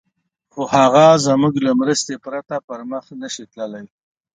خو هغه زموږ له مرستې پرته پر مخ نه شي تللای.